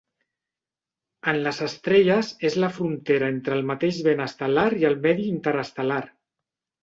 En les estrelles, és la frontera entre el mateix vent estel·lar i el medi interestel·lar.